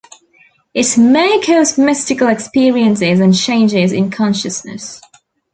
It may cause mystical experiences and changes in consciousness.